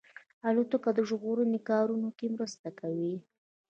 الوتکه د ژغورنې کارونو کې مرسته کوي.